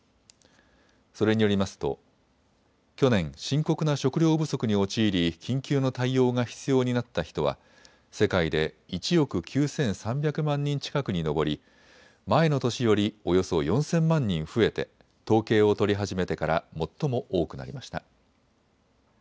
それによりますと去年深刻な食糧不足に陥り緊急の対応が必要になった人は世界で１億９３００万人近くに上り前の年よりおよそ４０００万人増えて統計を取り始めてから最も多くなりました。